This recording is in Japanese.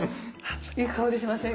いい香りしません？